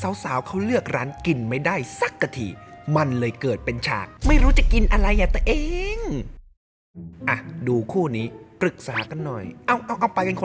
เอาเอาไปกันคนละทางแล้ว